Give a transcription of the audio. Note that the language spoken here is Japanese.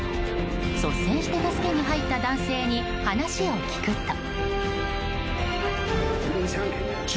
率先して助けに入った男性に話を聞くと。